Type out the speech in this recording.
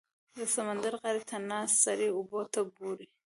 • د سمندر غاړې ته ناست سړی اوبو ته ګوري.